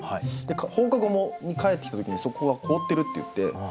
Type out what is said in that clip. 放課後に帰ってきた時にそこが凍ってるっていって。